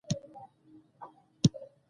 د چرګانو فارمونه د غوښې اړتیا پوره کوي.